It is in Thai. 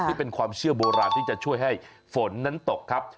ที่เป็นความเชื่อโบราณที่จะช่วยให้ฝนนั้นตกครับ